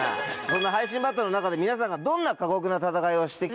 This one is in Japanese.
そんな配信バトルの中で皆さんがどんな過酷な戦いをして来たのか。